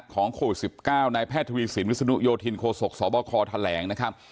โควิด๑๙นายแพทย์ทวีสินวิศนุโยธินโคศกสบคแถลงนะครับ